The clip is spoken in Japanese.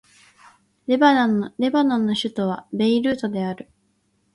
レバノンの首都はベイルートである